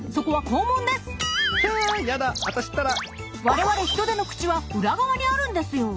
我々ヒトデの口は裏側にあるんですよ。